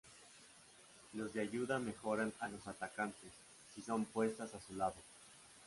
Los de ayuda mejoran a los atacantes, si son puestas a su lado.